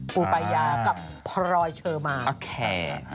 ปูปายากับพรอยเชอร์มาโอเค